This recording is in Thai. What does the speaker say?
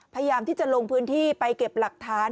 พยายามที่จะลงพื้นที่ไปเก็บหลักฐาน